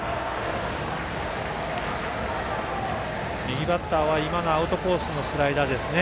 右バッターは今のアウトコースのスライダーですね。